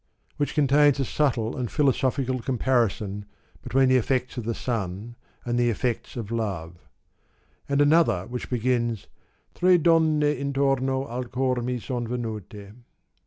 which contains a subtle and philosophical comparison between the effects of the sun and the effects of love ; and another which begins *Tre donne intorno al cor mi son venule.'